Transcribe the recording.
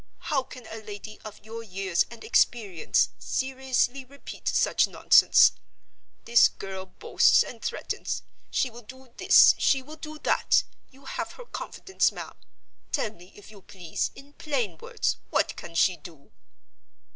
How can a lady of your years and experience seriously repeat such nonsense? This girl boasts and threatens. She will do this; she will do that. You have her confidence, ma'am. Tell me, if you please, in plain words, what can she do?"